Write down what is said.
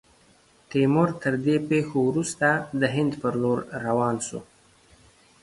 تیمور، تر دې پیښو وروسته، د هند پر لور روان سو.